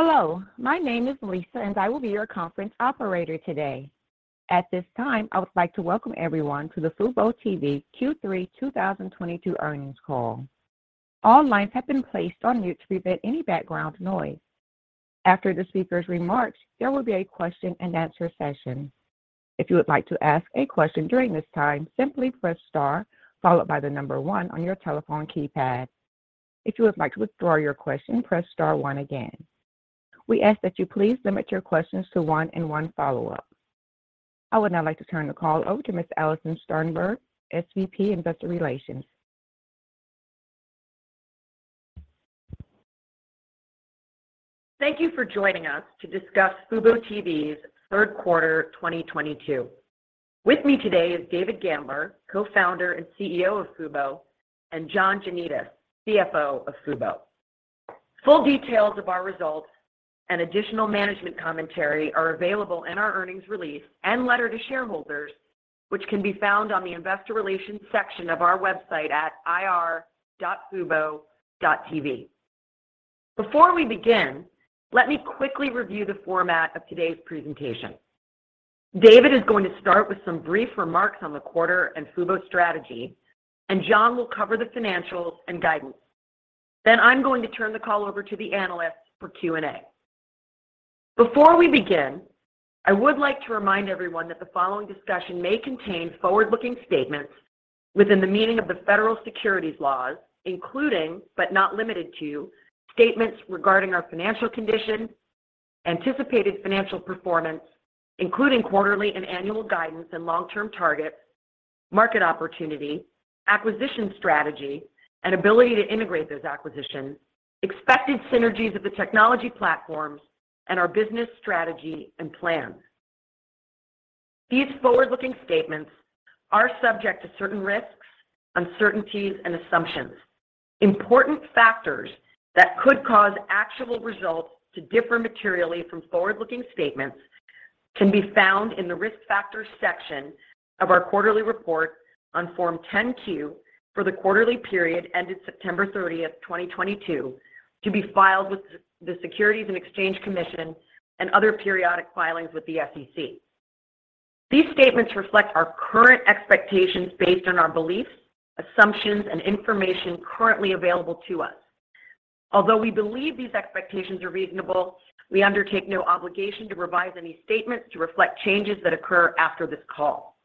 Hello, my name is Lisa, and I will be your conference operator today. At this time, I would like to welcome everyone to the fuboTV Q3 2022 earnings call. All lines have been placed on mute to prevent any background noise. After the speaker's remarks, there will be a question-and-answer session. If you would like to ask a question during this time, simply press star followed by the number one on your telephone keypad. If you would like to withdraw your question, press star one again. We ask that you please limit your questions to one and one follow-up. I would now like to turn the call over to Ms. Alison Sternberg, SVP, Investor Relations. Thank you for joining us to discuss fuboTV's third quarter 2022. With me today is David Gandler, Co-Founder and CEO of Fubo, and John Janedis, CFO of Fubo. Full details of our results and additional management commentary are available in our earnings release and letter to shareholders, which can be found on the investor relations section of our website at ir.fubo.tv. Before we begin, let me quickly review the format of today's presentation. David is going to start with some brief remarks on the quarter and Fubo's strategy, and John will cover the financials and guidance. I'm going to turn the call over to the analysts for Q&A. Before we begin, I would like to remind everyone that the following discussion may contain forward-looking statements within the meaning of the Federal Securities laws, including, but not limited to, statements regarding our financial condition, anticipated financial performance, including quarterly and annual guidance and long-term targets, market opportunity, acquisition strategy and ability to integrate those acquisitions, expected synergies of the technology platforms, and our business strategy and plans. These forward-looking statements are subject to certain risks, uncertainties, and assumptions. Important factors that could cause actual results to differ materially from forward-looking statements can be found in the risk factors section of our quarterly report on Form 10-Q for the quarterly period ended September 30th, 2022 to be filed with the Securities and Exchange Commission and other periodic filings with the SEC. These statements reflect our current expectations based on our beliefs, assumptions and information currently available to us. Although we believe these expectations are reasonable, we undertake no obligation to revise any statements to reflect changes that occur after this call.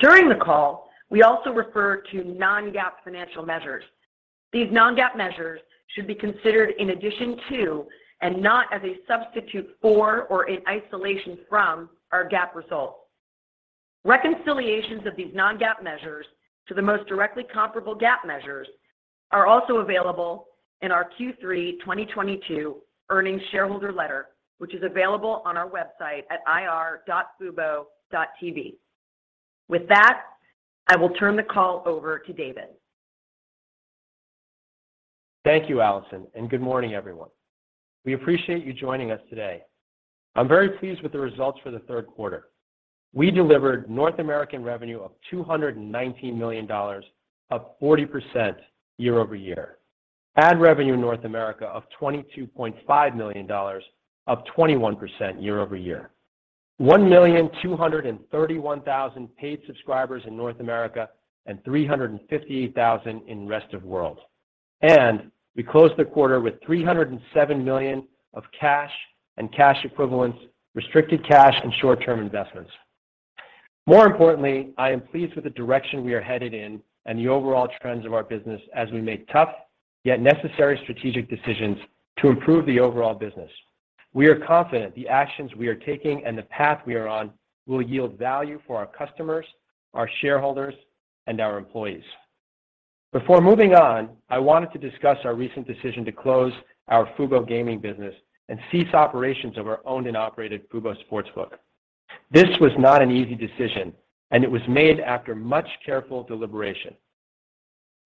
During the call, we also refer to non-GAAP financial measures. These non-GAAP measures should be considered in addition to and not as a substitute for or in isolation from our GAAP results. Reconciliations of these non-GAAP measures to the most directly comparable GAAP measures are also available in our Q3 2022 earnings shareholder letter, which is available on our website at ir.fubo.tv. With that, I will turn the call over to David. Thank you, Alison, and good morning, everyone. We appreciate you joining us today. I'm very pleased with the results for the third quarter. We delivered North American revenue of $219 million, up 40% year-over-year. Ad revenue in North America of $22.5 million, up 21% year-over-year. 1,231,000 paid subscribers in North America and 358,000 in rest of world. We closed the quarter with $307 million of cash and cash equivalents, restricted cash, and short-term investments. More importantly, I am pleased with the direction we are headed in and the overall trends of our business as we make tough, yet necessary strategic decisions to improve the overall business. We are confident the actions we are taking and the path we are on will yield value for our customers, our shareholders, and our employees. Before moving on, I wanted to discuss our recent decision to close our Fubo Gaming business and cease operations of our owned and operated Fubo Sportsbook. This was not an easy decision, and it was made after much careful deliberation.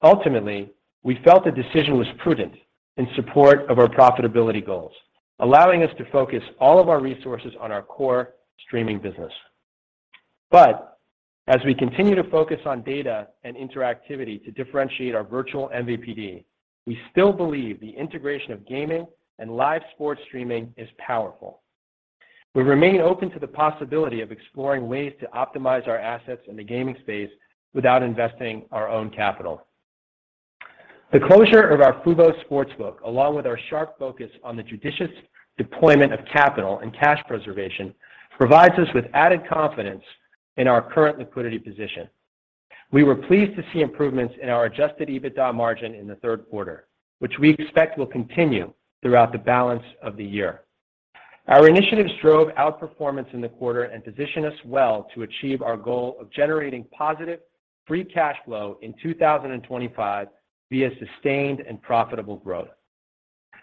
Ultimately, we felt the decision was prudent in support of our profitability goals, allowing us to focus all of our resources on our core streaming business. As we continue to focus on data and interactivity to differentiate our virtual MVPD, we still believe the integration of gaming and live sports streaming is powerful. We remain open to the possibility of exploring ways to optimize our assets in the gaming space without investing our own capital. The closure of our Fubo Sportsbook, along with our sharp focus on the judicious deployment of capital and cash preservation, provides us with added confidence in our current liquidity position. We were pleased to see improvements in our adjusted EBITDA margin in the third quarter, which we expect will continue throughout the balance of the year. Our initiatives drove outperformance in the quarter and position us well to achieve our goal of generating positive free cash flow in 2025 via sustained and profitable growth.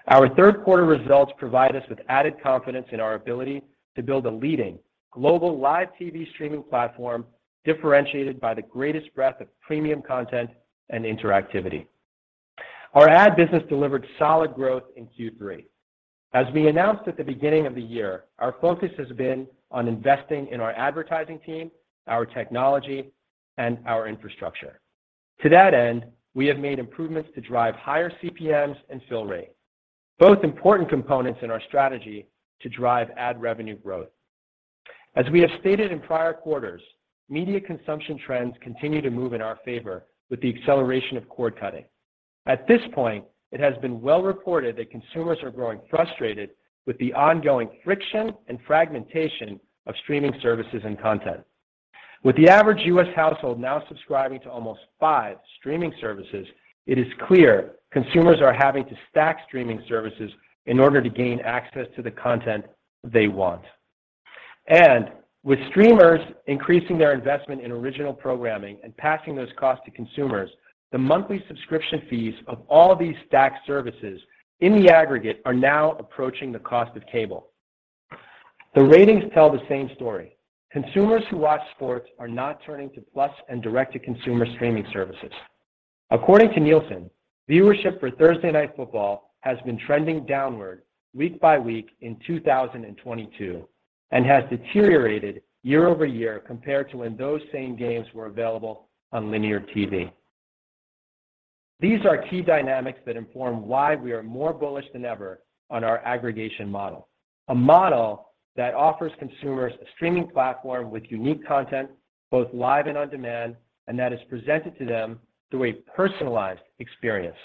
Our third quarter results provide us with added confidence in our ability to build a leading global live TV streaming platform differentiated by the greatest breadth of premium content and interactivity. Our ad business delivered solid growth in Q3. As we announced at the beginning of the year, our focus has been on investing in our advertising team, our technology, and our infrastructure. To that end, we have made improvements to drive higher CPMs and fill rate, both important components in our strategy to drive ad revenue growth. As we have stated in prior quarters, media consumption trends continue to move in our favor with the acceleration of cord cutting. At this point, it has been well reported that consumers are growing frustrated with the ongoing friction and fragmentation of streaming services and content. With the average U.S. household now subscribing to almost five streaming services, it is clear consumers are having to stack streaming services in order to gain access to the content they want. With streamers increasing their investment in original programming and passing those costs to consumers, the monthly subscription fees of all these stacked services in the aggregate are now approaching the cost of cable. The ratings tell the same story. Consumers who watch sports are not turning to plus and direct-to-consumer streaming services. According to Nielsen, viewership for Thursday Night Football has been trending downward week by week in 2022 and has deteriorated year-over-year compared to when those same games were available on linear TV. These are key dynamics that inform why we are more bullish than ever on our aggregation model. A model that offers consumers a streaming platform with unique content, both live and on-demand, and that is presented to them through a personalized experience.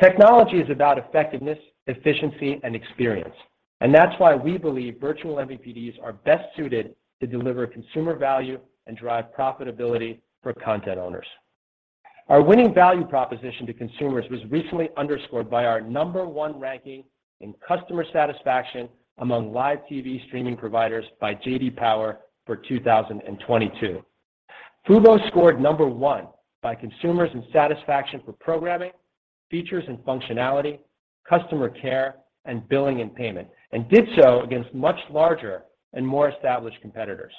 Technology is about effectiveness, efficiency, and experience, and that's why we believe virtual MVPDs are best suited to deliver consumer value and drive profitability for content owners. Our winning value proposition to consumers was recently underscored by our number one ranking in customer satisfaction among live TV streaming providers by J.D. Power for 2022. Fubo scored number one by consumers in satisfaction for programming, features and functionality, customer care, and billing and payment, and did so against much larger and more established competitors.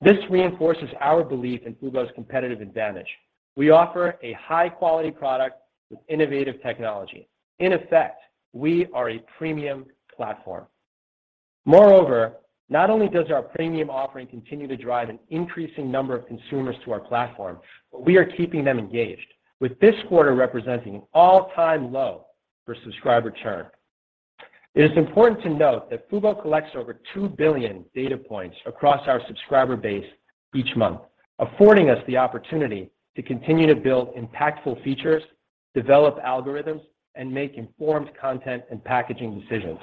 This reinforces our belief in Fubo's competitive advantage. We offer a high-quality product with innovative technology. In effect, we are a premium platform. Moreover, not only does our premium offering continue to drive an increasing number of consumers to our platform, but we are keeping them engaged, with this quarter representing an all-time low for subscriber churn. It is important to note that Fubo collects over 2 billion data points across our subscriber base each month, affording us the opportunity to continue to build impactful features, develop algorithms, and make informed content and packaging decisions.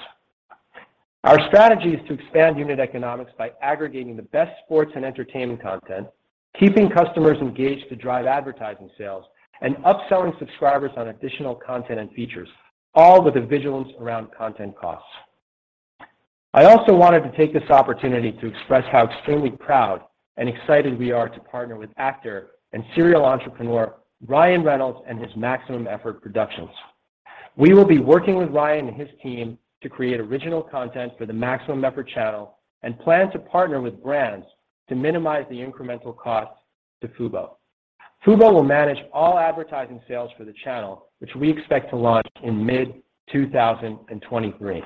Our strategy is to expand unit economics by aggregating the best sports and entertainment content, keeping customers engaged to drive advertising sales, and upselling subscribers on additional content and features, all with a vigilance around content costs. I also wanted to take this opportunity to express how extremely proud and excited we are to partner with actor and serial entrepreneur Ryan Reynolds and his Maximum Effort Productions. We will be working with Ryan and his team to create original content for the Maximum Effort channel and plan to partner with brands to minimize the incremental cost to Fubo. Fubo will manage all advertising sales for the channel, which we expect to launch in mid-2023.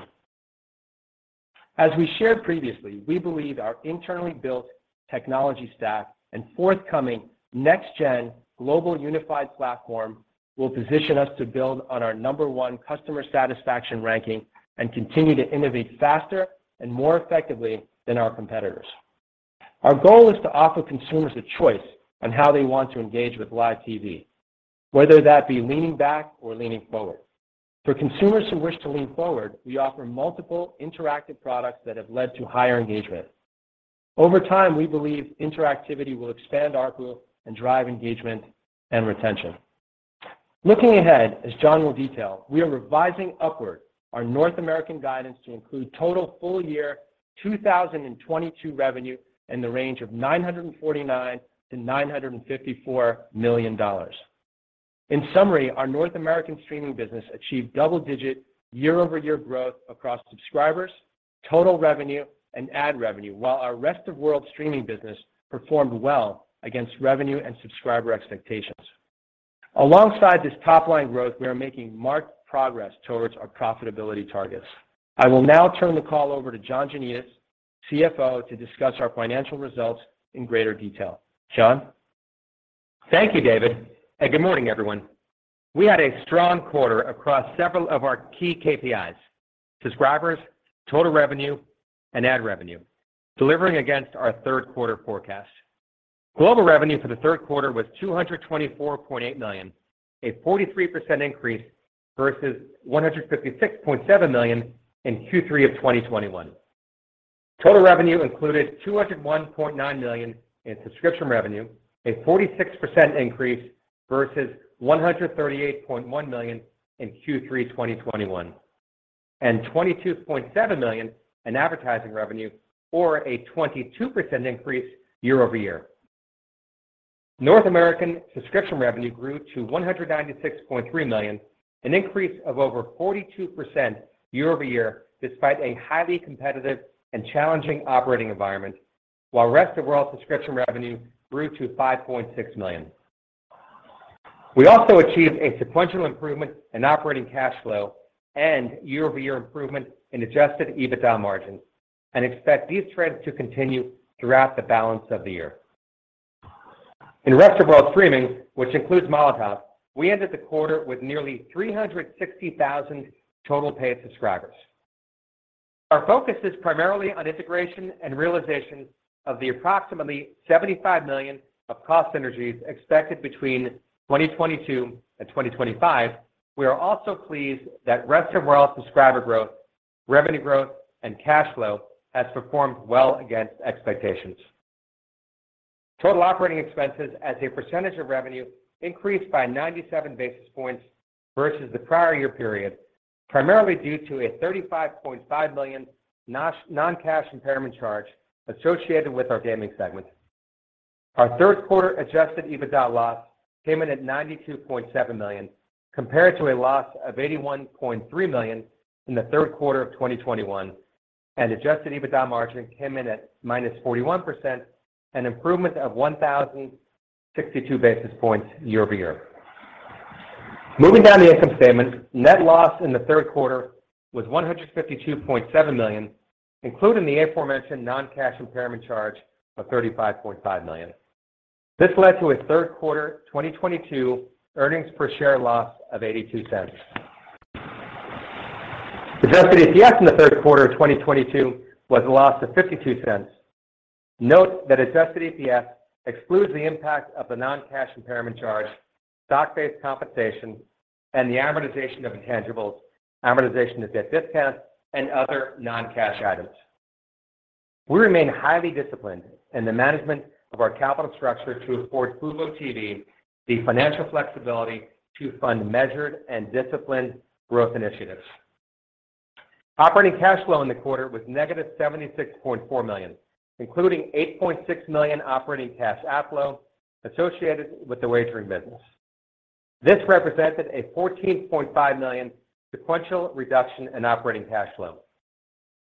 As we shared previously, we believe our internally built technology stack and forthcoming next-gen global unified platform will position us to build on our number one customer satisfaction ranking and continue to innovate faster and more effectively than our competitors. Our goal is to offer consumers a choice on how they want to engage with live TV, whether that be leaning back or leaning forward. For consumers who wish to lean forward, we offer multiple interactive products that have led to higher engagement. Over time, we believe interactivity will expand ARPU and drive engagement and retention. Looking ahead, as John will detail, we are revising upward our North American guidance to include total full-year 2022 revenue in the range of $949 million-$954 million. In summary, our North American streaming business achieved double-digit year-over-year growth across subscribers, total revenue, and ad revenue, while our rest-of-world streaming business performed well against revenue and subscriber expectations. Alongside this top-line growth, we are making marked progress towards our profitability targets. I will now turn the call over to John Janedis, CFO, to discuss our financial results in greater detail. John? Thank you, David, and good morning, everyone. We had a strong quarter across several of our key KPIs, subscribers, total revenue, and ad revenue, delivering against our third quarter forecast. Global revenue for the third quarter was $224.8 million, a 43% increase versus $156.7 million in Q3 of 2021. Total revenue included $201.9 million in subscription revenue, a 46% increase versus $138.1 million in Q3 2021, and $22.7 million in advertising revenue, or a 22% increase year-over-year. North American subscription revenue grew to $196.3 million, an increase of over 42% year-over-year despite a highly competitive and challenging operating environment, while rest-of-world subscription revenue grew to $5.6 million. We also achieved a sequential improvement in operating cash flow and year-over-year improvement in adjusted EBITDA margins and expect these trends to continue throughout the balance of the year. In rest of world streaming, which includes Molotov, we ended the quarter with nearly 360,000 total paid subscribers. Our focus is primarily on integration and realization of the approximately $75 million of cost synergies expected between 2022 and 2025. We are also pleased that rest of world subscriber growth, revenue growth, and cash flow has performed well against expectations. Total operating expenses as a percentage of revenue increased by 97 basis points versus the prior year period, primarily due to a $35.5 million non-cash impairment charge associated with our gaming segment. Our third quarter adjusted EBITDA loss came in at $92.7 million, compared to a loss of $81.3 million in the third quarter of 2021, and adjusted EBITDA margin came in at -41%, an improvement of 1,062 basis points year-over-year. Moving down the income statement, net loss in the third quarter was $152.7 million, including the aforementioned non-cash impairment charge of $35.5 million. This led to a third quarter 2022 earnings per share loss of $0.82. Adjusted EPS in the third quarter of 2022 was a loss of $0.52. Note that adjusted EPS excludes the impact of the non-cash impairment charge, stock-based compensation, and the amortization of intangibles, amortization of debt discount, and other non-cash items. We remain highly disciplined in the management of our capital structure to afford fuboTV the financial flexibility to fund measured and disciplined growth initiatives. Operating cash flow in the quarter was -$76.4 million, including $8.6 million operating cash outflow associated with the wagering business. This represented a $14.5 million sequential reduction in operating cash flow.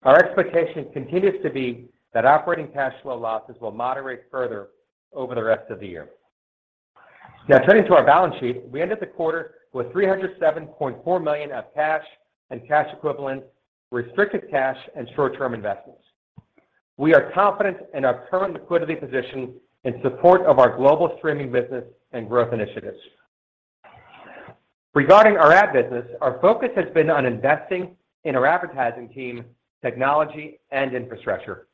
Our expectation continues to be that operating cash flow losses will moderate further over the rest of the year. Now turning to our balance sheet, we ended the quarter with $307.4 million of cash and cash equivalents, restricted cash and short-term investments. We are confident in our current liquidity position in support of our global streaming business and growth initiatives. Regarding our ad business, our focus has been on investing in our advertising team, technology and infrastructure.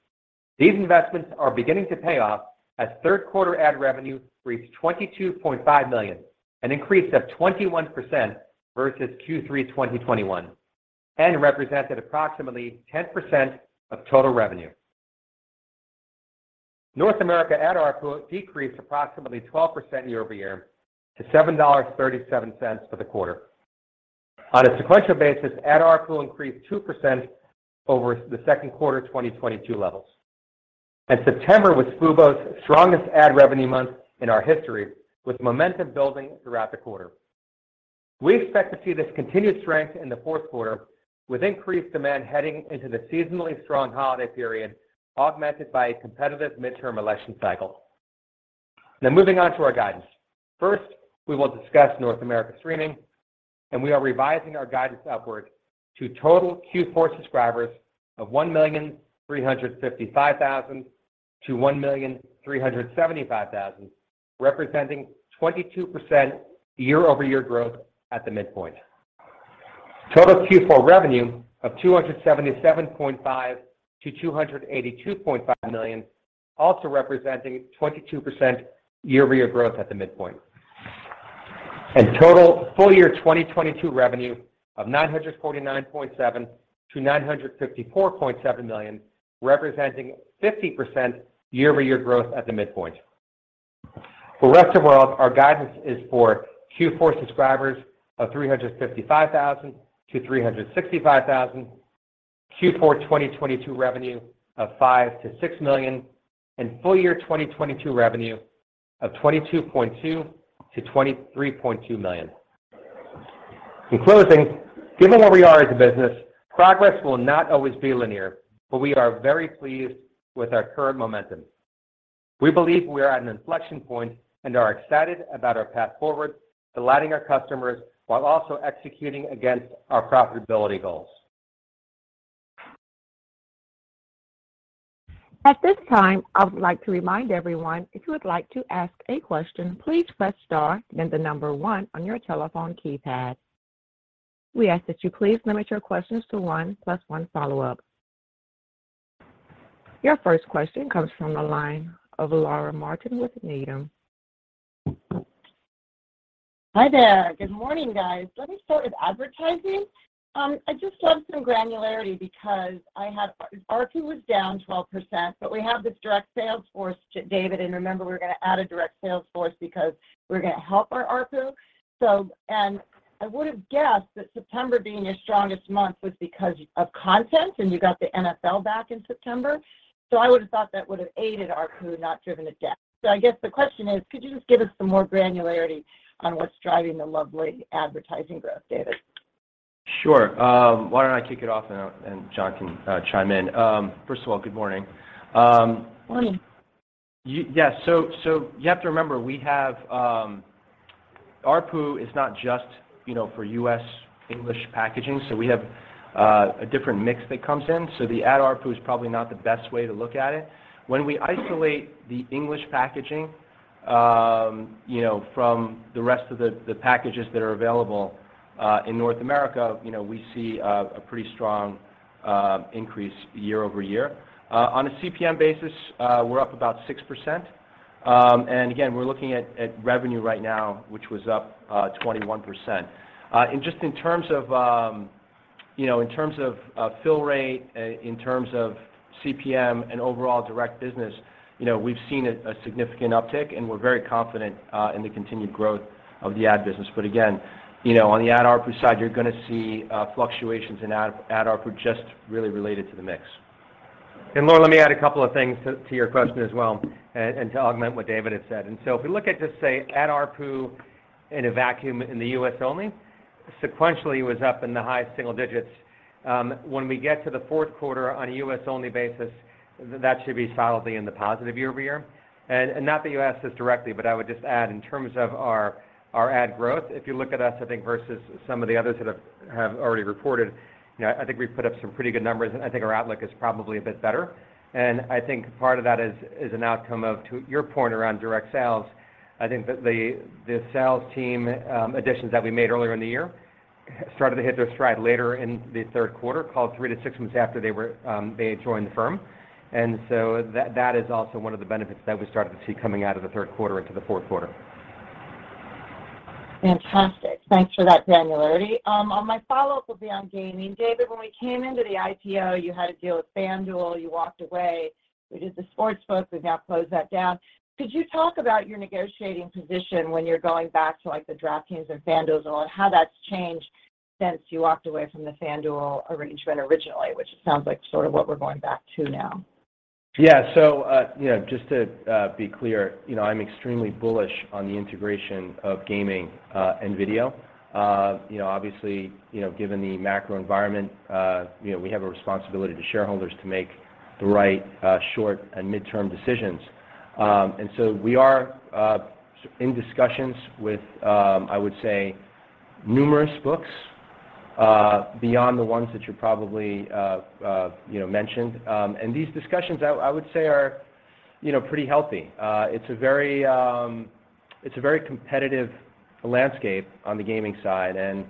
These investments are beginning to pay off as third quarter ad revenue reached $22.5 million, an increase of 21% versus Q3 2021, and represented approximately 10% of total revenue. North America ad ARPU decreased approximately 12% year-over-year to $7.37 for the quarter. On a sequential basis, ad ARPU increased 2% over the second quarter 2022 levels. September was fubo's strongest ad revenue month in our history, with momentum building throughout the quarter. We expect to see this continued strength in the fourth quarter with increased demand heading into the seasonally strong holiday period, augmented by a competitive midterm election cycle. Now moving on to our guidance. First, we will discuss North America streaming, and we are revising our guidance upward to total Q4 subscribers of 1,355,000-1,375,000, representing 22% year-over-year growth at the midpoint. Total Q4 revenue of $277.5 million-$282.5 million, also representing 22% year-over-year growth at the midpoint. Total full year 2022 revenue of $949.7 million-$954.7 million, representing 50% year-over-year growth at the midpoint. For rest of world, our guidance is for Q4 subscribers of 355,000-365,000, Q4 2022 revenue of $5 million-$6 million, and full year 2022 revenue of $22.2 million-$23.2 million. In closing, given where we are as a business, progress will not always be linear, but we are very pleased with our current momentum. We believe we are at an inflection point and are excited about our path forward, delighting our customers while also executing against our profitability goals. At this time, I would like to remind everyone if you would like to ask a question, please press star, then the number one on your telephone keypad. We ask that you please limit your questions to one plus one follow-up. Your first question comes from the line of Laura Martin with Needham. Hi there. Good morning, guys. Let me start with advertising. I just want some granularity because ARPU was down 12%, but we have this direct sales force, David, and remember, we're gonna add a direct sales force because we're gonna help our ARPU. I would have guessed that September being your strongest month was because of content, and you got the NFL back in September. I would have thought that would have aided ARPU, not driven it down. I guess the question is, could you just give us some more granularity on what's driving the lovely advertising growth, David? Sure. Why don't I kick it off and John can chime in. First of all, good morning. Morning. Yes. You have to remember, we have ARPU is not just, you know, for U.S. English packaging. We have a different mix that comes in. The ad ARPU is probably not the best way to look at it. When we isolate the English packaging, you know, from the rest of the packages that are available in North America, you know, we see a pretty strong increase year-over-year. On a CPM basis, we're up about 6%. Again, we're looking at revenue right now, which was up 21%. Just in terms of fill rate, in terms of CPM and overall direct business, you know, we've seen a significant uptick, and we're very confident in the continued growth of the ad business. Again, you know, on the ad ARPU side, you're gonna see fluctuations in ad ARPU just really related to the mix. Laura, let me add a couple of things to your question as well, and to augment what David had said. If we look at just, say, ad ARPU in a vacuum in the U.S. only, sequentially it was up in the high single digits. When we get to the fourth quarter on a U.S.-only basis, that should be solidly in the positive year-over-year. Not that you asked this directly, but I would just add, in terms of our ad growth, if you look at us, I think, versus some of the others that have already reported, you know, I think we've put up some pretty good numbers, and I think our outlook is probably a bit better. I think part of that is an outcome of, to your point around direct sales, I think the sales team additions that we made earlier in the year started to hit their stride later in the third quarter, call it three to six months after they had joined the firm. That is also one of the benefits that we started to see coming out of the third quarter into the fourth quarter. Fantastic. Thanks for that granularity. My follow-up will be on gaming. David, when we came into the IPO, you had a deal with FanDuel. You walked away. We did the sportsbook. We've now closed that down. Could you talk about your negotiating position when you're going back to, like, the DraftKings and FanDuel and how that's changed since you walked away from the FanDuel arrangement originally, which it sounds like sort of what we're going back to now. Yeah. You know, just to be clear, you know, I'm extremely bullish on the integration of gaming and video. You know, obviously, you know, given the macro environment, you know, we have a responsibility to shareholders to make the right short and midterm decisions. We are in discussions with I would say numerous books beyond the ones that you probably you know mentioned. These discussions I would say are you know pretty healthy. It's a very competitive landscape on the gaming side.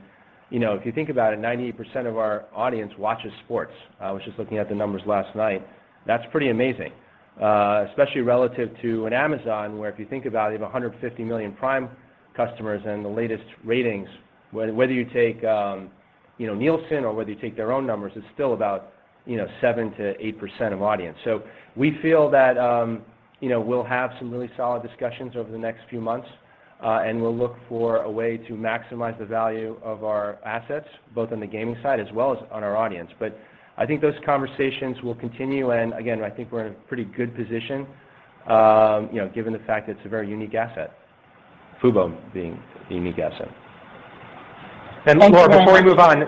You know, if you think about it, 98% of our audience watches sports. I was just looking at the numbers last night. That's pretty amazing, especially relative to an Amazon, where if you think about it, you have 150 million Prime customers, and the latest ratings, whether you take, you know, Nielsen or whether you take their own numbers, it's still about, you know, 7%-8% of audience. We feel that, you know, we'll have some really solid discussions over the next few months, and we'll look for a way to maximize the value of our assets, both on the gaming side as well as on our audience. I think those conversations will continue, and again, I think we're in a pretty good position, you know, given the fact that it's a very unique asset, Fubo being the unique asset. Thank you very much. Laura, before we move on,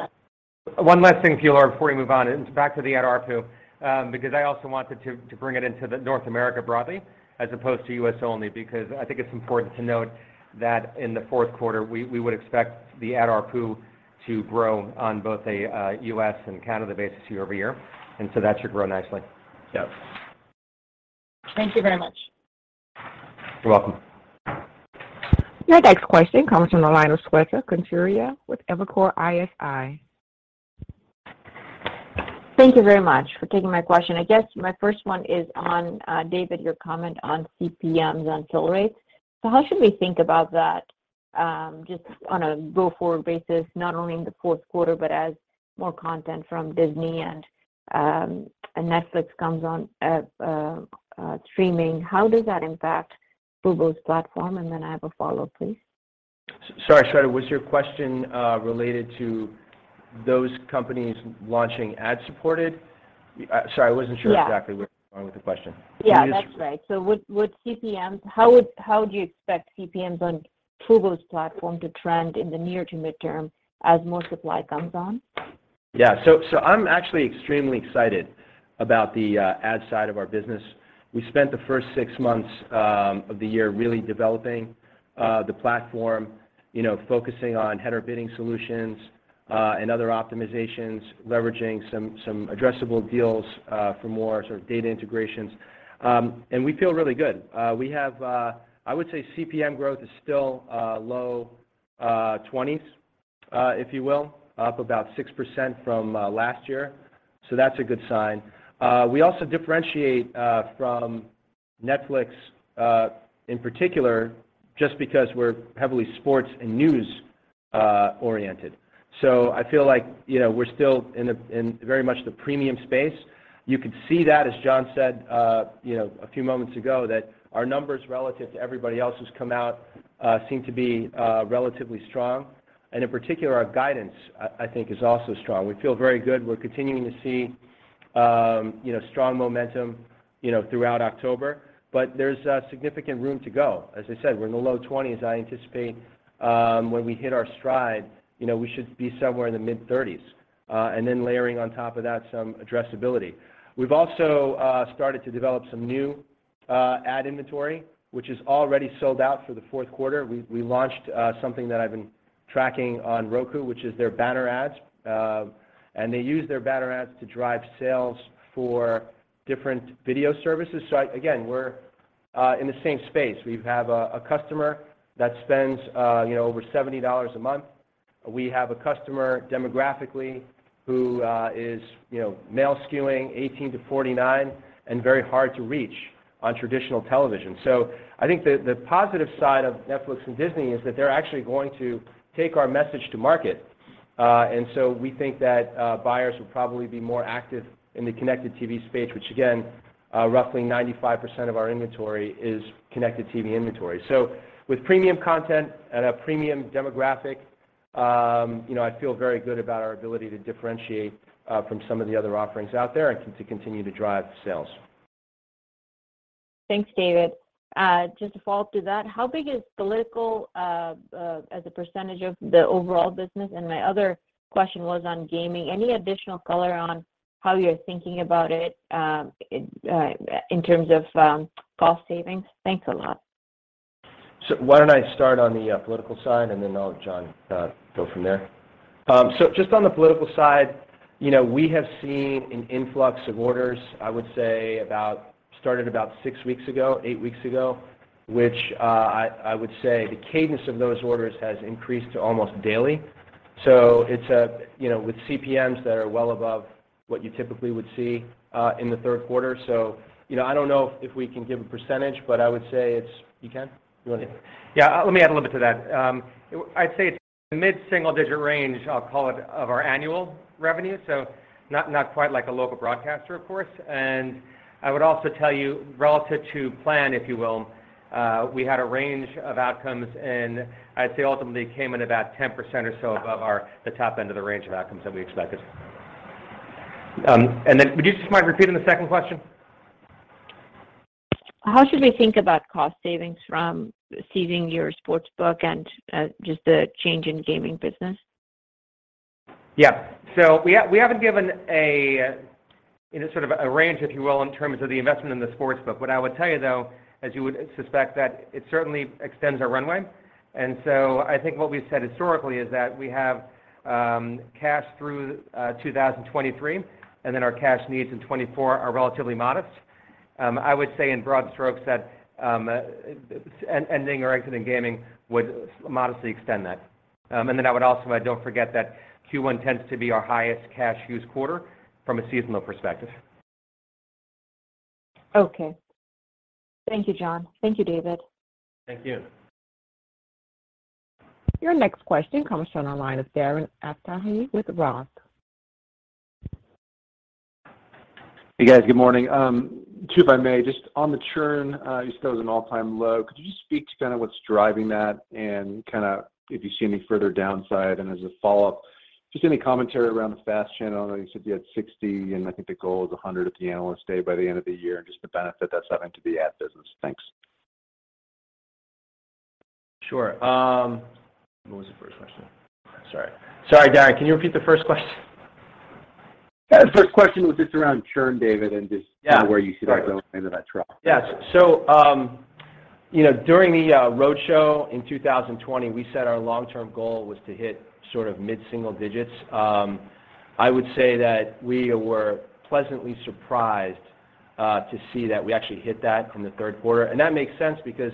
one last thing for you, Laura, before we move on. It's back to the ad ARPU, because I also wanted to bring it into North America broadly as opposed to U.S. only because I think it's important to note that in the fourth quarter, we would expect the ad ARPU to grow on both a U.S. and Canada basis year-over-year, and so that should grow nicely. Yes. Thank you very much. You're welcome. Your next question comes from the line of Shweta Khajuria with Evercore ISI. Thank you very much for taking my question. I guess my first one is on David, your comment on CPMs on fill rates. How should we think about that, just on a go-forward basis, not only in the fourth quarter, but as more content from Disney and Netflix comes on streaming? How does that impact Fubo's platform? Then I have a follow, please. Sorry, Shweta. Was your question related to those companies launching ad-supported? Sorry, I wasn't sure. Yeah Exactly where you were going with the question. Yeah, that's right. How do you expect CPMs on Fubo's platform to trend in the near to midterm as more supply comes on? Yeah. I'm actually extremely excited about the ad side of our business. We spent the first six months of the year really developing the platform, you know, focusing on header bidding solutions and other optimizations, leveraging some addressable deals for more sort of data integrations. We feel really good. We have. I would say CPM growth is still low 20s if you will, up about 6% from last year, so that's a good sign. We also differentiate from Netflix in particular just because we're heavily sports and news oriented. I feel like, you know, we're still in a very much the premium space. You could see that, as John said, you know, a few moments ago, that our numbers relative to everybody else who's come out seem to be relatively strong. In particular, our guidance, I think, is also strong. We feel very good. We're continuing to see, you know, strong momentum. You know, throughout October. There's significant room to go. As I said, we're in the low twenties. I anticipate, when we hit our stride, you know, we should be somewhere in the mid-thirties. Then layering on top of that some addressability. We've also started to develop some new ad inventory, which is already sold out for the fourth quarter. We launched something that I've been tracking on Roku, which is their banner ads. They use their banner ads to drive sales for different video services. Again, we're in the same space. We have a customer that spends, you know, over $70 a month. We have a customer demographically who is, you know, male skewing 18 to 49 and very hard to reach on traditional television. I think the positive side of Netflix and Disney is that they're actually going to take our message to market. We think that buyers will probably be more active in the connected TV space, which again, roughly 95% of our inventory is connected TV inventory. With premium content and a premium demographic, you know, I feel very good about our ability to differentiate from some of the other offerings out there and to continue to drive sales. Thanks, David. Just to follow-up to that, how big is political as a percentage of the overall business? My other question was on gaming. Any additional color on how you're thinking about it in terms of cost savings? Thanks a lot. Why don't I start on the political side, and then I'll have John go from there. Just on the political side, you know, we have seen an influx of orders, I would say about six weeks ago, eight weeks ago, which I would say the cadence of those orders has increased to almost daily. It's you know, with CPMs that are well above what you typically would see in the third quarter. You know, I don't know if we can give a percentage, but I would say it's. You can? You want to? Yeah. Let me add a little bit to that. I'd say it's mid-single digit range, I'll call it, of our annual revenue, so not quite like a local broadcaster, of course. I would also tell you relative to plan, if you will, we had a range of outcomes, and I'd say ultimately came in about 10% or so above our, the top end of the range of outcomes that we expected. Then would you just mind repeating the second question? How should we think about cost savings from ceasing your sportsbook and just the change in gaming business? Yeah. We haven't given a, you know, sort of a range, if you will, in terms of the investment in the sports book. What I would tell you, though, as you would suspect, that it certainly extends our runway. I think what we've said historically is that we have cash through 2023, and then our cash needs in 2024 are relatively modest. I would say in broad strokes that ending or exiting gaming would modestly extend that. And then don't forget that Q1 tends to be our highest cash use quarter from a seasonal perspective. Okay. Thank you, John. Thank you, David. Thank you. Your next question comes from the line of Darren Aftahi with ROTH. Hey, guys. Good morning. Two if I may. Just on the churn, you said it was an all-time low. Could you just speak to kind of what's driving that and kind of if you see any further downside? As a follow-up, just any commentary around the fast channel. I know you said you had 60 and I think the goal is 100 at the Analyst Day by the end of the year, and just the benefit that's having to the ad business. Thanks. Sure. What was the first question? Sorry, Darren. Can you repeat the first question? Yeah, the first question was just around churn, David, and just. Yeah. Kind of where you see that going into that trough. Yes. You know, during the roadshow in 2020, we said our long-term goal was to hit sort of mid-single digits. I would say that we were pleasantly surprised to see that we actually hit that in the third quarter. That makes sense because,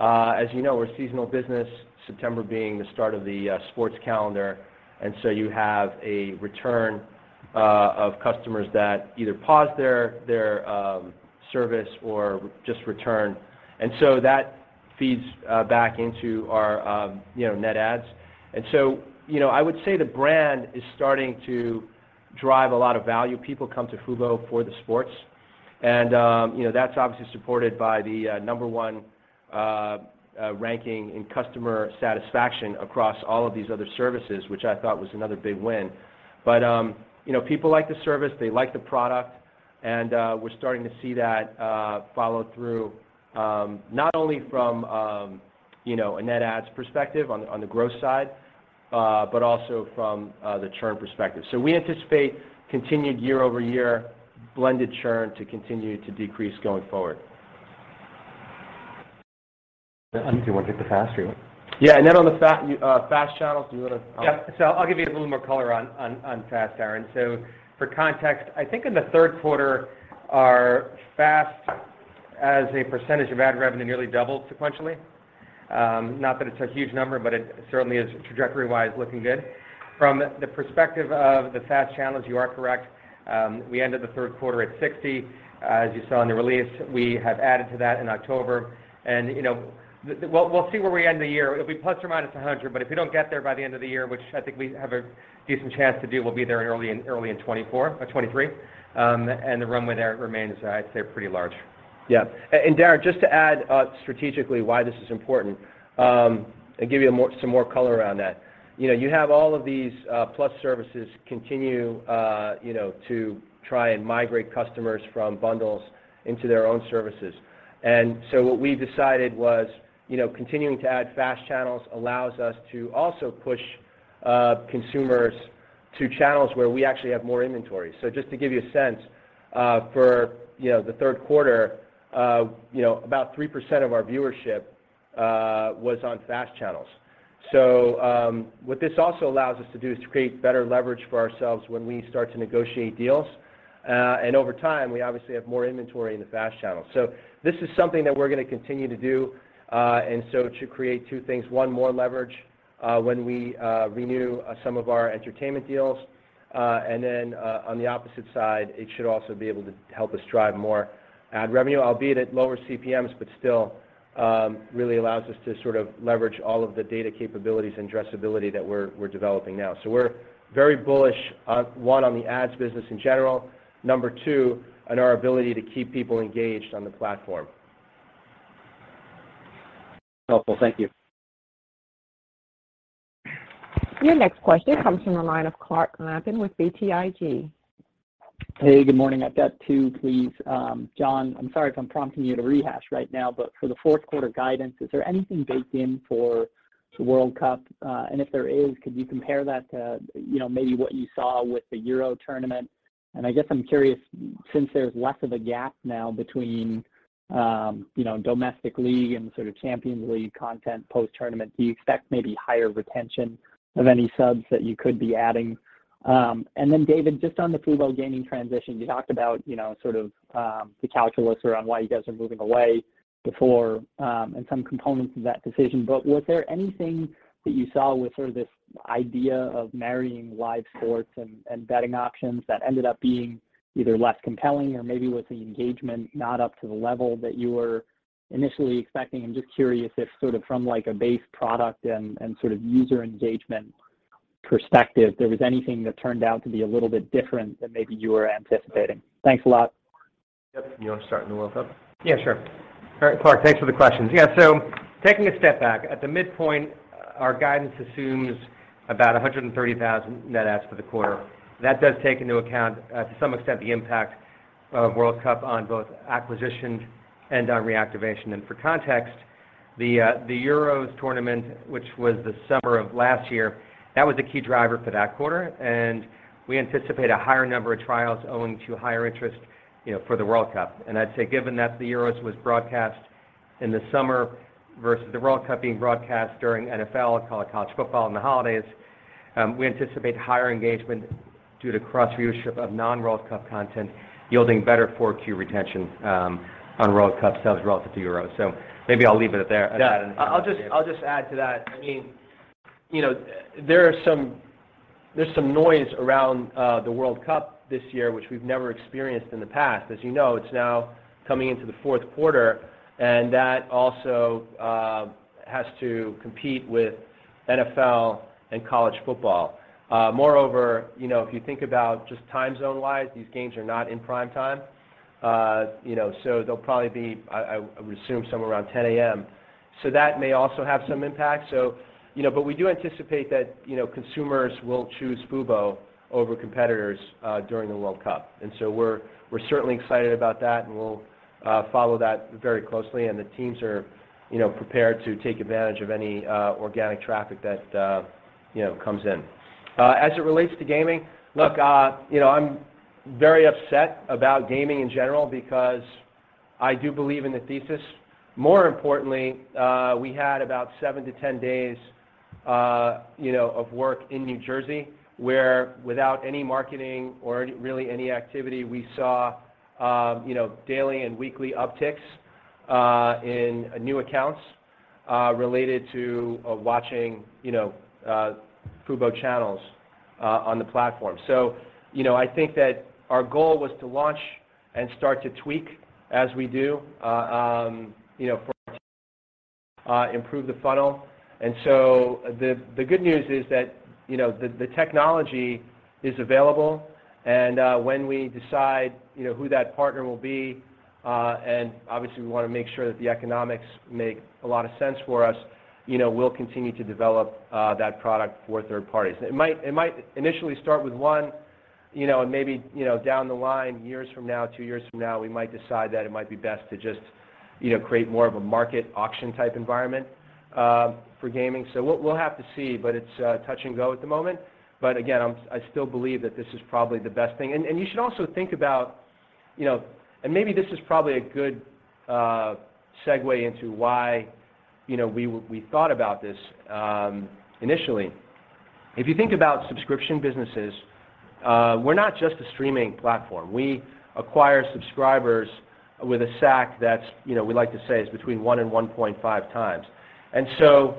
as you know, we're a seasonal business, September being the start of the sports calendar, and so you have a return of customers that either pause their service or just return. That feeds back into our, you know, net adds. You know, I would say the brand is starting to drive a lot of value. People come to Fubo for the sports and, you know, that's obviously supported by the number one ranking in customer satisfaction across all of these other services, which I thought was another big win. People like the service, they like the product, and we're starting to see that follow through, not only from, you know, a net ads perspective on the growth side, but also from the churn perspective. We anticipate continued year-over-year blended churn to continue to decrease going forward. Do you want to take the FAST or you? Yeah. On the FAST channels, do you wanna- Yeah. I'll give you a little more color on FAST, Darren. For context, I think in the third quarter, our FAST as a percentage of ad revenue nearly doubled sequentially. Not that it's a huge number, but it certainly is trajectory-wise looking good. From the perspective of the FAST channels, you are correct, we ended the third quarter at 60. As you saw in the release, we have added to that in October. You know, we'll see where we end the year. It'll be ±100, but if we don't get there by the end of the year, which I think we have a decent chance to do, we'll be there in early in 2024, 2023. The runway there remains, I'd say, pretty large. Yeah. Darren, just to add, strategically why this is important, and give you some more color around that. You know, you have all of these plus services continue you know to try and migrate customers from bundles into their own services. What we decided was, you know, continuing to add fast channels allows us to also push consumers to channels where we actually have more inventory. Just to give you a sense for the third quarter, you know, about 3% of our viewership was on fast channels. What this also allows us to do is to create better leverage for ourselves when we start to negotiate deals. Over time, we obviously have more inventory in the fast channel. This is something that we're gonna continue to do, and so it should create two things. One, more leverage, when we renew some of our entertainment deals. On the opposite side, it should also be able to help us drive more ad revenue, albeit at lower CPMs, but still, really allows us to sort of leverage all of the data capabilities and addressability that we're developing now. We're very bullish, one, on the ads business in general, number two, on our ability to keep people engaged on the platform. Helpful. Thank you. Your next question comes from the line of Clark Lampen with BTIG. Hey, good morning. I've got two, please. John, I'm sorry if I'm prompting you to rehash right now, but for the fourth quarter guidance, is there anything baked in for the World Cup? If there is, could you compare that to, you know, maybe what you saw with the Euro tournament? I guess I'm curious, since there's less of a gap now between, you know, domestic league and sort of Champions League content post-tournament, do you expect maybe higher retention of any subs that you could be adding? Then David, just on the Fubo Gaming transition, you talked about, you know, sort of, the calculus around why you guys are moving away before, and some components of that decision. Was there anything that you saw with sort of this idea of marrying live sports and betting options that ended up being either less compelling or maybe was the engagement not up to the level that you were initially expecting? I'm just curious if sort of from, like, a base product and sort of user engagement perspective, there was anything that turned out to be a little bit different than maybe you were anticipating. Thanks a lot. Yep. You wanna start with the World Cup? Yeah, sure. All right, Clark, thanks for the questions. Yeah. Taking a step back, at the midpoint, our guidance assumes about 130,000 net adds for the quarter. That does take into account, to some extent, the impact of World Cup on both acquisition and on reactivation. For context, the Euros tournament, which was the summer of last year, that was a key driver for that quarter. We anticipate a higher number of trials owing to higher interest, you know, for the World Cup. I'd say given that the Euros was broadcast in the summer versus the World Cup being broadcast during NFL and college football and the holidays, we anticipate higher engagement due to cross viewership of non-World Cup content yielding better Q4 retention on World Cup sales relative to Euros. Maybe I'll leave it at that. I'll just add to that. I mean, you know, there is some noise around the World Cup this year, which we've never experienced in the past. As you know, it's now coming into the fourth quarter, and that also has to compete with NFL and college football. Moreover, you know, if you think about just time zone-wise, these games are not in prime time. You know, they'll probably be, I would assume, somewhere around 10:00 A.M. That may also have some impact. You know, we do anticipate that, you know, consumers will choose Fubo over competitors during the World Cup. We're certainly excited about that, and we'll follow that very closely. The teams are, you know, prepared to take advantage of any organic traffic that, you know, comes in. As it relates to gaming, look, you know, I'm very upset about gaming in general because I do believe in the thesis. More importantly, we had about seven-10 days, you know, of work in New Jersey, where without any marketing or any, really any activity, we saw, you know, daily and weekly upticks in new accounts related to watching, you know, Fubo channels on the platform. I think that our goal was to launch and start to tweak as we do, you know, to improve the funnel. The good news is that, you know, the technology is available. When we decide, you know, who that partner will be, and obviously we wanna make sure that the economics make a lot of sense for us, you know, we'll continue to develop that product for third parties. It might initially start with one, you know, and maybe, you know, down the line, years from now, two years from now, we might decide that it might be best to just, you know, create more of a market auction type environment for gaming. We'll have to see, but it's touch and go at the moment. Again, I still believe that this is probably the best thing. You should also think about, you know, and maybe this is probably a good segue into why, you know, we thought about this initially. If you think about subscription businesses, we're not just a streaming platform. We acquire subscribers with a SAC that's, you know, we like to say is between 1 and 1.5x.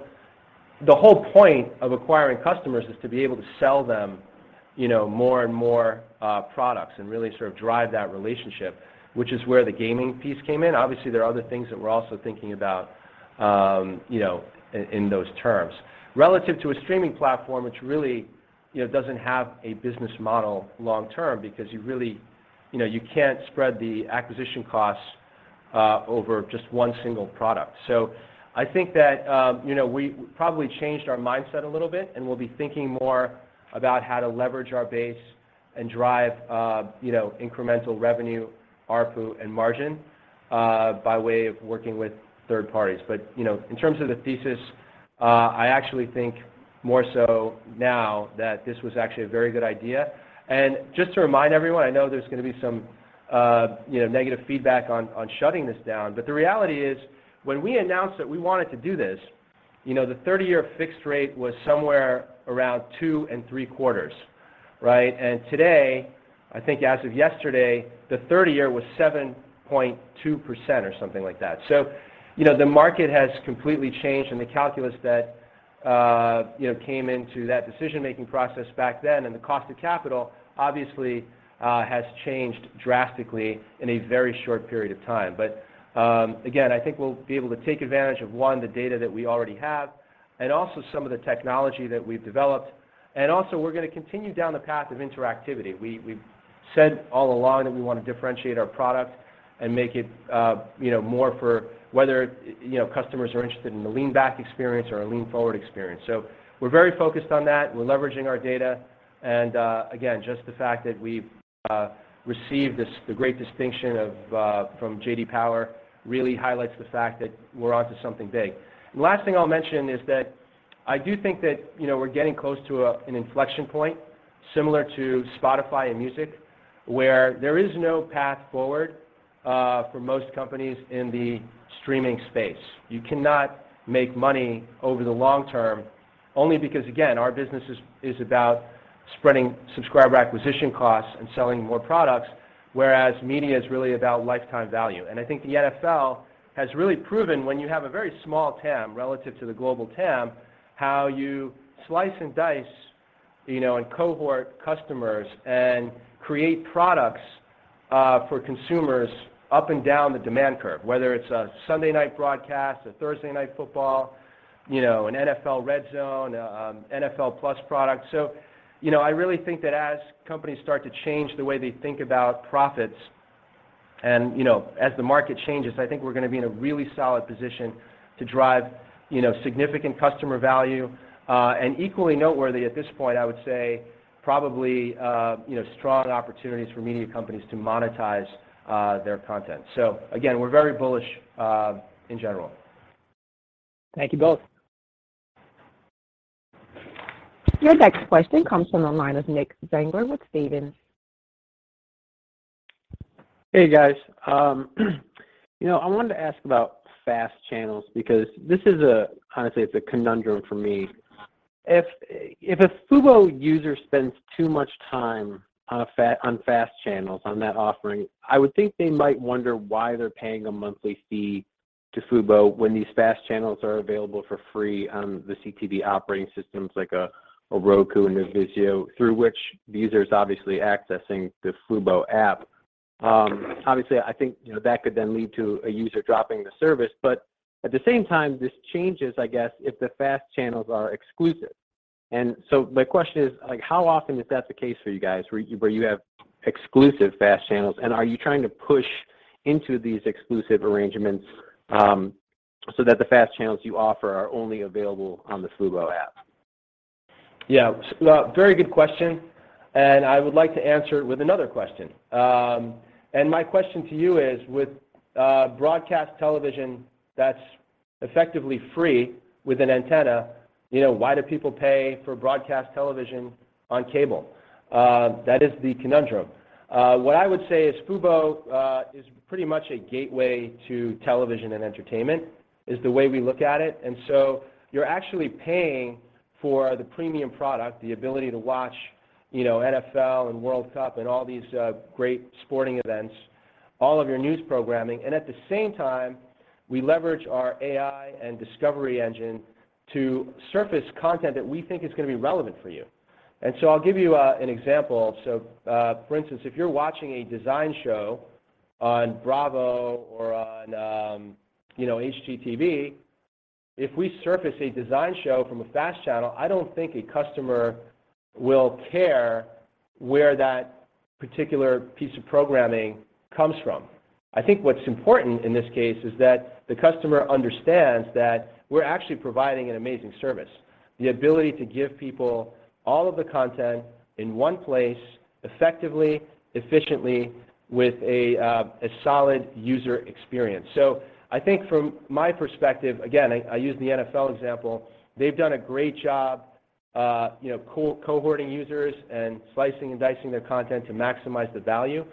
The whole point of acquiring customers is to be able to sell them, you know, more and more products and really sort of drive that relationship, which is where the gaming piece came in. Obviously, there are other things that we're also thinking about, you know, in those terms. Relative to a streaming platform, it's, you know, doesn't have a business model long-term because you really, you know, you can't spread the acquisition costs over just one single product. I think that, you know, we probably changed our mindset a little bit, and we'll be thinking more about how to leverage our base and drive, you know, incremental revenue, ARPU, and margin, by way of working with third parties. But, you know, in terms of the thesis, I actually think more so now that this was actually a very good idea. Just to remind everyone, I know there's gonna be some, you know, negative feedback on shutting this down, but the reality is when we announced that we wanted to do this, you know, the 30-year fixed rate was somewhere around 2.75%, right? Today, I think as of yesterday, the 30-year was 7.2% or something like that. The market has completely changed, and the calculus that came into that decision-making process back then and the cost of capital obviously has changed drastically in a very short period of time. I think we'll be able to take advantage of, one, the data that we already have and also some of the technology that we've developed, and also we're gonna continue down the path of interactivity. We've said all along that we wanna differentiate our product and make it more for whether customers are interested in the lean back experience or a lean forward experience. We're very focused on that. We're leveraging our data and again, just the fact that we've received this great distinction from J.D. Power really highlights the fact that we're onto something big. The last thing I'll mention is that I do think that, you know, we're getting close to a, an inflection point similar to Spotify and music, where there is no path forward for most companies in the streaming space. You cannot make money over the long-term only because, again, our business is about spreading subscriber acquisition costs and selling more products, whereas media is really about lifetime value. I think the NFL has really proven when you have a very small TAM relative to the global TAM, how you slice and dice, you know, and cohort customers and create products for consumers up and down the demand curve, whether it's a Sunday night broadcast, a Thursday Night Football, you know, an NFL RedZone, NFL+ product. You know, I really think that as companies start to change the way they think about profits and, you know, as the market changes, I think we're gonna be in a really solid position to drive, you know, significant customer value. Equally noteworthy at this point, I would say probably, you know, strong opportunities for media companies to monetize their content. Again, we're very bullish in general. Thank you both. Your next question comes from the line of Nick Zangler with Stephens. Hey, guys. You know, I wanted to ask about FAST channels because this is a honestly, it's a conundrum for me. If a Fubo user spends too much time on FAST channels, on that offering, I would think they might wonder why they're paying a monthly fee to Fubo when these FAST channels are available for free on the CTV operating systems like a Roku and a VIZIO through which the user is obviously accessing the Fubo app. Obviously I think, you know, that could then lead to a user dropping the service. But at the same time, this changes, I guess, if the FAST channels are exclusive. My question is, like, how often is that the case for you guys where you have exclusive FAST channels, and are you trying to push into these exclusive arrangements, so that the FAST channels you offer are only available on the Fubo app? Yeah. Well, very good question, and I would like to answer it with another question. My question to you is, with broadcast television that's effectively free with an antenna, you know, why do people pay for broadcast television on cable? That is the conundrum. What I would say is Fubo is pretty much a gateway to television and entertainment, is the way we look at it. You're actually paying for the premium product, the ability to watch, you know, NFL and World Cup and all these great sporting events, all of your news programming. At the same time, we leverage our AI and discovery engine to surface content that we think is gonna be relevant for you. I'll give you an example. For instance, if you're watching a design show on Bravo or on, you know, HGTV, if we surface a design show from a FAST channel, I don't think a customer will care where that particular piece of programming comes from. I think what's important in this case is that the customer understands that we're actually providing an amazing service, the ability to give people all of the content in one place effectively, efficiently with a solid user experience. I think from my perspective, again, I use the NFL example. They've done a great job, you know, cohorting users and slicing and dicing their content to maximize the value.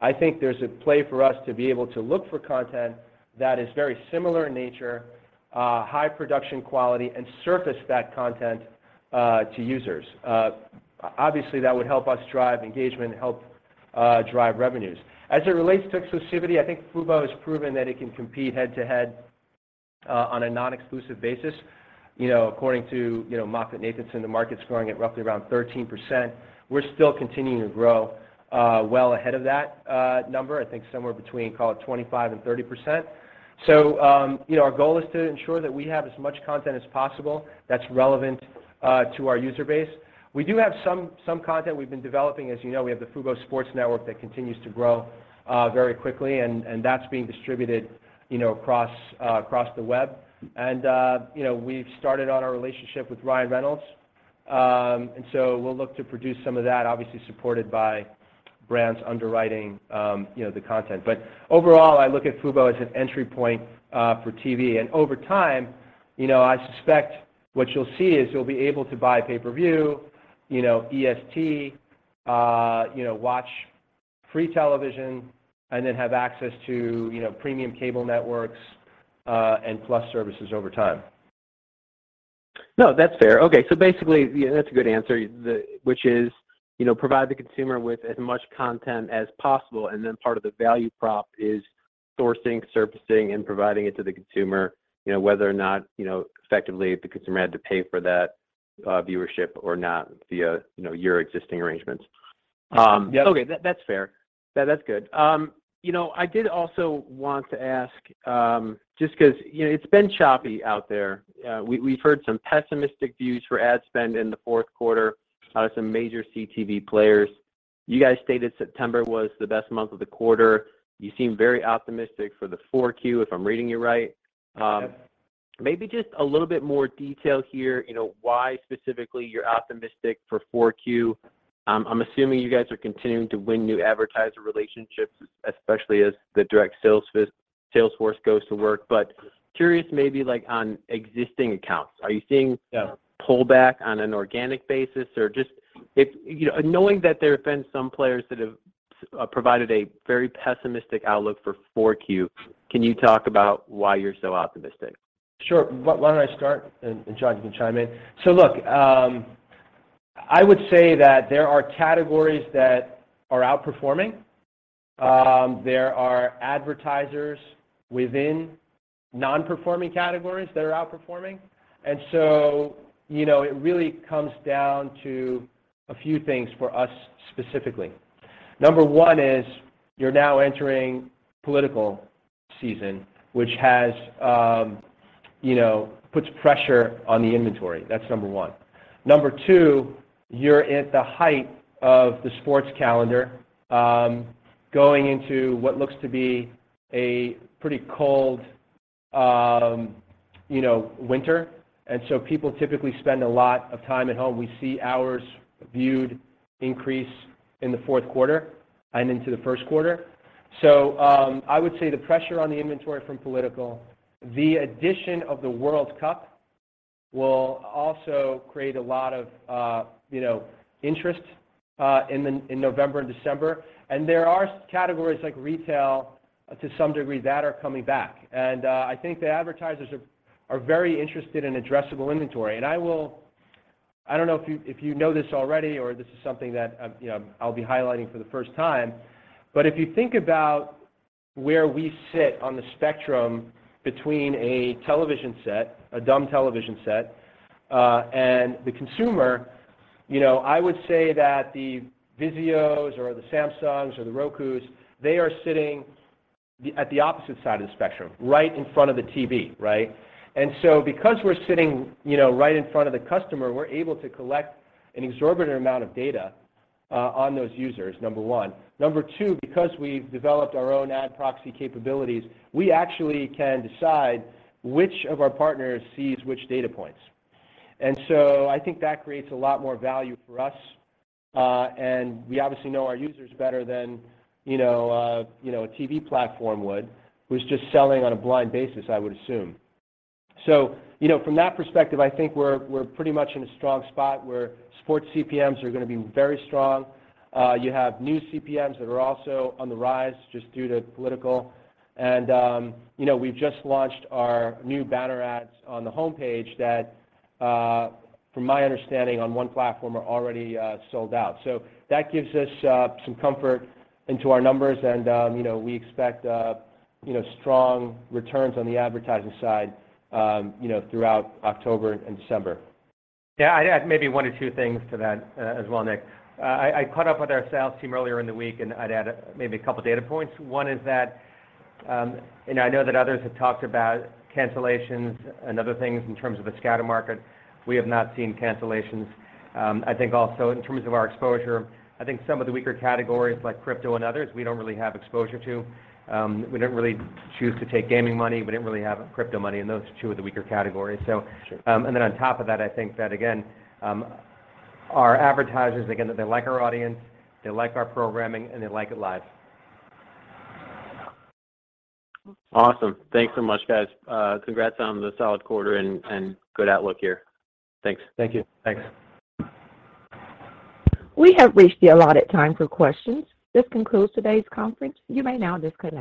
I think there's a play for us to be able to look for content that is very similar in nature, high production quality and surface that content to users. Obviously, that would help us drive engagement, help drive revenues. As it relates to exclusivity, I think Fubo has proven that it can compete head-to-head on a non-exclusive basis. You know, according to, you know, MoffettNathanson, the market's growing at roughly around 13%. We're still continuing to grow well ahead of that number. I think somewhere between, call it, 25%-30%. You know, our goal is to ensure that we have as much content as possible that's relevant to our user base. We do have some content we've been developing. As you know, we have the Fubo Sports Network that continues to grow very quickly, and that's being distributed, you know, across the web. You know, we've started on our relationship with Ryan Reynolds. We'll look to produce some of that, obviously supported by brands underwriting, you know, the content. Overall, I look at Fubo as an entry point for TV. Over time, you know, I suspect what you'll see is you'll be able to buy pay-per-view, you know, EST, you know, watch free television, and then have access to, you know, premium cable networks, and plus services over time. No, that's fair. Okay. Basically, yeah, that's a good answer, which is, you know, provide the consumer with as much content as possible, and then part of the value prop is sourcing, surfacing, and providing it to the consumer, you know, whether or not, you know, effectively the consumer had to pay for that viewership or not via, you know, your existing arrangements. Yep. Okay. That's fair. That's good. You know, I did also want to ask, just 'cause, you know, it's been choppy out there. We've heard some pessimistic views for ad spend in the fourth quarter out of some major CTV players. You guys stated September was the best month of the quarter. You seem very optimistic for the 4Q, if I'm reading you right. Yes. Maybe just a little bit more detail here, you know, why specifically you're optimistic for 4Q? I'm assuming you guys are continuing to win new advertiser relationships, especially as the direct sales force goes to work. Curious maybe, like, on existing accounts. Are you seeing a pullback on an organic basis? Or just if, you know, knowing that there have been some players that have provided a very pessimistic outlook for 4Q, can you talk about why you're so optimistic? Sure. Why don't I start and John can chime in. Look, I would say that there are categories that are outperforming. There are advertisers within non-performing categories that are outperforming. You know, it really comes down to a few things for us specifically. Number one is you're now entering political season, which has, you know, puts pressure on the inventory. That's number one. Number two, you're at the height of the sports calendar, going into what looks to be a pretty cold, you know, winter. People typically spend a lot of time at home. We see hours viewed increase in the fourth quarter and into the first quarter. I would say the pressure on the inventory from political, the addition of the World Cup will also create a lot of, you know, interest, in November and December. There are categories like retail to some degree that are coming back. I think the advertisers are very interested in addressable inventory. I don't know if you, if you know this already or this is something that, you know, I'll be highlighting for the first time, but if you think about where we sit on the spectrum between a television set, a dumb television set, and the consumer, you know, I would say that the VIZIOs or the Samsungs or the Rokus, they are sitting at the opposite side of the spectrum, right in front of the TV, right? Because we're sitting, you know, right in front of the customer, we're able to collect an exorbitant amount of data on those users, number one. Number two, because we've developed our own ad proxy capabilities, we actually can decide which of our partners sees which data points. I think that creates a lot more value for us. We obviously know our users better than, you know, a TV platform would, who's just selling on a blind basis, I would assume. From that perspective, you know, I think we're pretty much in a strong spot where sports CPMs are gonna be very strong. You have new CPMs that are also on the rise just due to political. You know, we've just launched our new banner ads on the homepage that, from my understanding, on one platform are already sold out. That gives us some comfort into our numbers and, you know, we expect, you know, strong returns on the advertising side, you know, throughout October and December. Yeah. I'd add maybe one or two things to that as well, Nick. I caught up with our sales team earlier in the week, and I'd add maybe a couple data points. One is that, and I know that others have talked about cancellations and other things in terms of the scatter market. We have not seen cancellations. I think also in terms of our exposure, I think some of the weaker categories like crypto and others, we don't really have exposure to. We didn't really choose to take gaming money. We didn't really have crypto money, and those are two of the weaker categories. So. Sure. On top of that, I think that again, our advertisers, again, they like our audience, they like our programming, and they like it live. Awesome. Thanks so much, guys. Congrats on the solid quarter and good outlook here. Thanks. Thank you. Thanks. We have reached the allotted time for questions. This concludes today's conference. You may now disconnect.